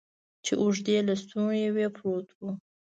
چې اوږدې لستوڼي یې وې، پروت و.